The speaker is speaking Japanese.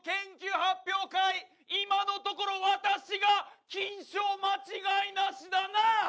今のところ私が金賞間違いなしだな！